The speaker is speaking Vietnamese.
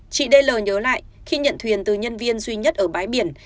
chị dl nhớ lại khi nhận thuyền từ nhân viên duy nhất ở bãi biển